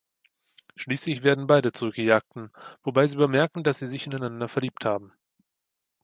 Schließlich werden beide zu Gejagten; wobei sie bemerken, dass sie sich ineinander verliebt haben.